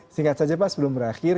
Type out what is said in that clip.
singkat saja pak sebelum berakhir